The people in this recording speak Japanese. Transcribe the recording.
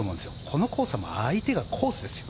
このコースは相手がコースですよ